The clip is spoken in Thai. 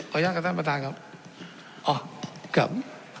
ขออนุญาตกับท่านประธานครับ